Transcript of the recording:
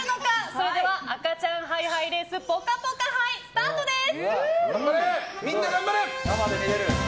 それでは赤ちゃんハイハイレースぽかぽか杯スタートです。